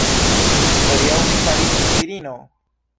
Hodiaŭ mi fariĝis virino!